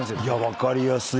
分かりやすい。